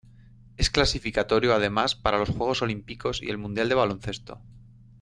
Es clasificatorio además para los juegos olímpicos y el mundial de baloncesto.